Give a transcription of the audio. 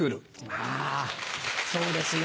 あぁそうですね。